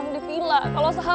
aku mau ke rumah